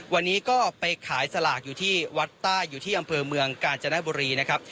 วันนี้ก็ไปขายสลากอยู่ที่วัดใต้อยู่ที่อำเภอเมืองกาญจนบุรีนะครับ